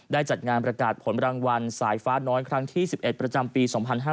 จัดงานประกาศผลรางวัลสายฟ้าน้อยครั้งที่๑๑ประจำปี๒๕๕๙